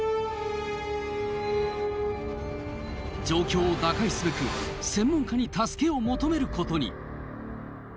状況を打開すべく専門家に助けを求めることに。